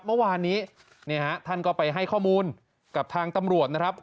เมื่อวานนี้ท่านก็ไปให้ข้อมูลกับทางตำรวจนะครับ